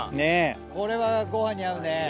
これはご飯に合うね。